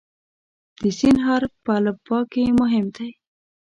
د "س" حرف په الفبا کې مهم دی.